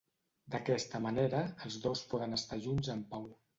D'aquesta manera, els dos poden estar junts en pau.